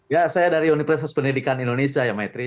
ya saya dari universitas pendidikan indonesia ya maitri